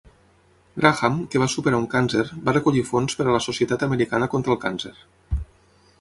Graham, que va superar un càncer, va recollir fons per a la Societat americana contra el càncer.